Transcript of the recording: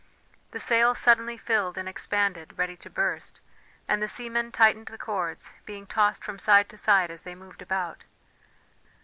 The sail suddenly filled and expanded ready to burst; and the seamen tightened the cords, being tossed from side to side as they moved about.